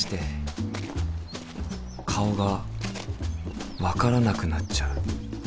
顔が分からなくなっちゃう。